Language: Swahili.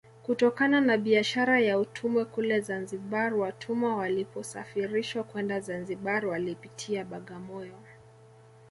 Kutokana na biashara ya utumwa kule Zanzibar watumwa waliposafirishwa kwenda Zanzibar walipitia Bagamoyo